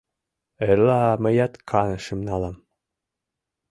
— Эрла мыят канышым налам.